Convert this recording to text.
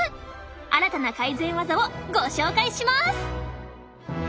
新たな改善技をご紹介します！